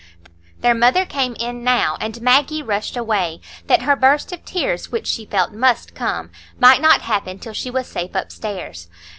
Their mother came in now, and Maggie rushed away, that her burst of tears, which she felt must come, might not happen till she was safe upstairs.